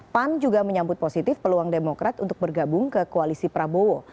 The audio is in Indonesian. pan juga menyambut positif peluang demokrat untuk bergabung ke koalisi prabowo